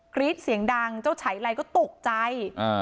กรี๊ดเสียงดังเจ้าไฉลัยก็ตกใจ